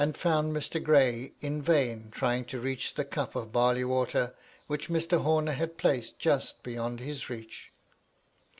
found Mr. Gray in rain trying to reach the cup of barley water which Mr. Homer had placed just beyond his reach.